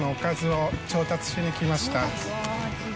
今晩のおかずを調達しに来ました。